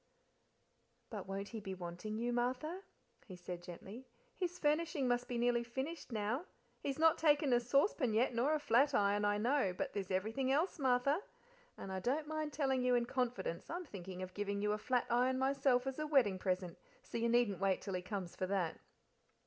"But won't he be wanting you, Martha?" he said gently. "His furnishing must be nearly finished now. He's not taken a saucepan yet, nor a flat iron, I know; but there's everything else, Martha; and I don't mind telling you in confidence I'm thinking of giving you a flat iron myself as a wedding present, so you needn't wait till he comes for that."